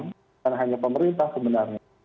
bukan hanya pemerintah sebenarnya